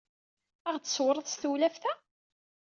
Ad aɣ-d-tṣewwred s tsewlaft-a?